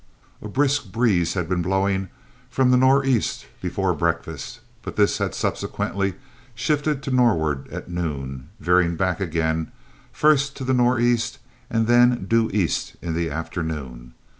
A brisk breeze had been blowing from the nor' east before breakfast, but this had subsequently shifted to the nor'ard at noon, veering back again, first to the nor' east and then to due east in the afternoon.